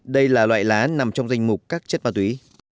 đây là loại lá nằm trong danh mục các chất ma túy